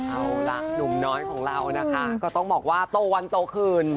เอาล่ะหนุ่มน้อยของเรานะคะก็ต้องบอกว่าโตวันโตคืน